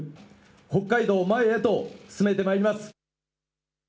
北海道を前へと進めてまいります。